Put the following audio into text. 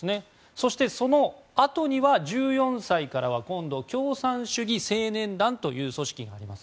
そして、そのあとには１４歳からは今度、共産主義青年団という組織があります。